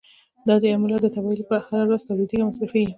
دا د یوه ملت د تباهۍ لپاره هره ورځ تولیدیږي او مصرفیږي.